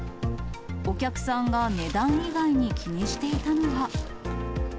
お客さんが値段以外に気にしていたのは。